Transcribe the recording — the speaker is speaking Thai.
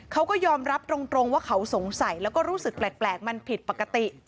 เขาก็ยอมรับตรงว่าเขาสงสัยแล้วก็รู้สึกแปลกมันผิดปกติ